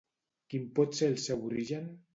Quin pot ser el seu origen?